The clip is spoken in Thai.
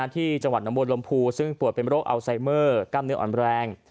ที่จังหวัดหนองบวนลมพูซึ่งปวดเป็นโรคอัลไซเมอร์กล้ามเนื้ออ่อนแรง